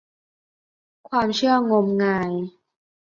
ความเชื่องมงาย